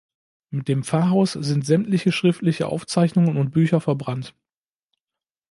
Mit dem Pfarrhaus sind sämtliche schriftliche Aufzeichnungen und Bücher verbrannt.